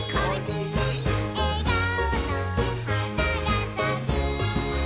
「えがおの花がさく」